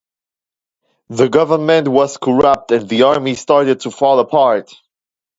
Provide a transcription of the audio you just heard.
The government was corrupt and the army started to fall apart.